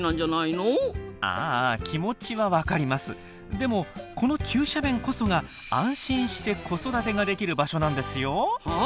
でもこの急斜面こそが安心して子育てができる場所なんですよ。はあ？